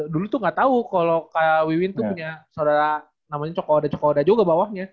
dulu tuh gak tau kalau kak wiwin tuh punya saudara namanya cokow ada cokow ada juga bawahnya